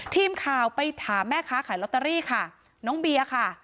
ทีมข่าวไปถามแม่ค้าขายลอตเตอรี่ค่ะน้องเบียร์ค่ะ